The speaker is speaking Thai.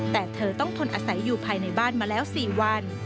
แต่เธอต้องทนอาศัยอยู่ภายในบ้านมาแล้ว๔วัน